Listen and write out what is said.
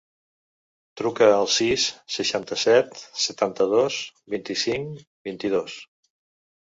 Truca al sis, seixanta-set, setanta-dos, vint-i-cinc, vint-i-dos.